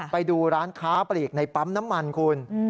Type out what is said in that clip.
ไปดูร้านค้าปลีกในปั๊มน้ำมันคุณ